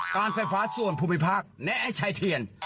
การไฟฟ้าส่วนผู้บิพราคแนะให้ใช้เทียน